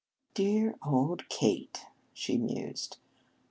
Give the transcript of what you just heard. "Dear old Kate," she mused.